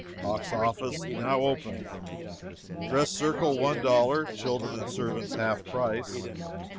BOX OFFICE NOW OPEN. Dress Circle One Dollar; Children and Servants half price.